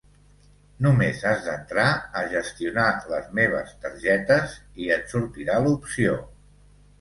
Només has d'entrar a 'Gestionar les meves targetes'i et sortirà l'opció.